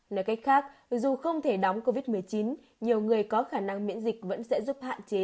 nói cách khác dù không thể đóng covid một mươi chín nhiều người có khả năng miễn dịch vẫn sẽ giúp hạn chế